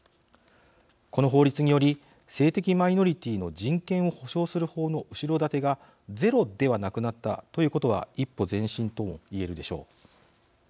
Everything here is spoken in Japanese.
この法律により性的マイノリティーの人権を保障する法の後ろ盾がゼロではなくなったということは一歩前進とも言えるでしょう。